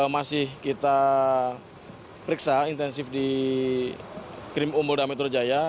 masih kita periksa intensif di krim umbul damai terjaya